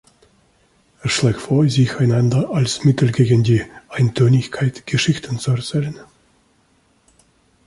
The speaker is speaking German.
Er schlägt vor, sich einander als Mittel gegen die Eintönigkeit Geschichten zu erzählen.